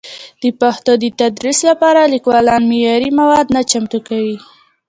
د پښتو د تدریس لپاره لیکوالان معیاري مواد نه چمتو کوي.